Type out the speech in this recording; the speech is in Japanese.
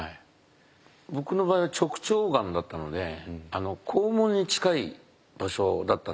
僕の場合は直腸がんだったので肛門に近い場所だったんですね。